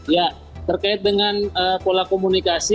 ya terkait dengan pola komunikasi